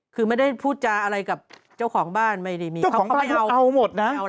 คือไม่ได้พูดจาอะไรกับเจ้าของบ้านไม่เรียบมีเจ้าของก็เอาเอาหมดน่ะ